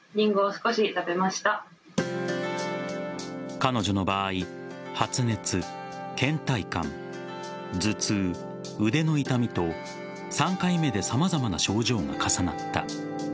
彼女の場合発熱、倦怠感頭痛、腕の痛みと３回目で様々な症状が重なった。